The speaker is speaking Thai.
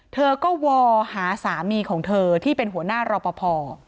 เธอก็วอลหาสามีของเธอที่เป็นหัวหน้ารอปภ